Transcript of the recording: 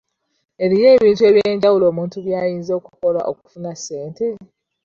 Eriyo ebintu eby'enjawulo omuntu by'ayinza okukola okufuna ssente.